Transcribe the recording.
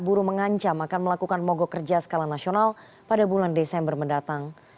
buruh mengancam akan melakukan mogok kerja skala nasional pada bulan desember mendatang